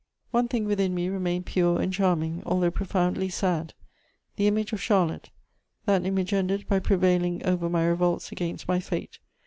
One thing within me remained pure and charming, although profoundly sad: the image of Charlotte; that image ended by prevailing over my revolts against my fate.